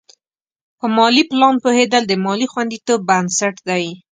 په مالي پلان پوهېدل د مالي خوندیتوب بنسټ دی.